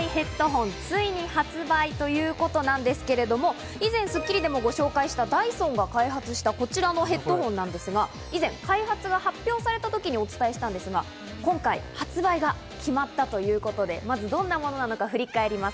次世代ヘッドホン、ついに発売ということなんですけれども、以前『スッキリ』でもご紹介した、ダイソンが開発した、こちらのヘッドホンなんですが、以前、開発が発表されたときにお伝えしたんですが、今回、発売が決まったということで、まずどんなものか振り返ります。